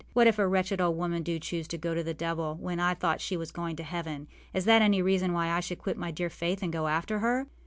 What if a wretched old woman do choose to go to the devil when I thought she was going to heaven: is that any reason why I should quit my dear Faith and go after her?